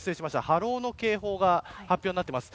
波浪の警報が発表になっています。